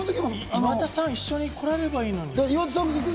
岩田さん、一緒に来ればいいのに。